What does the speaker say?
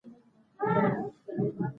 د جامي يوسف زلېخا يا د خواجه اثر